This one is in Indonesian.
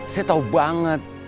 saya tau banget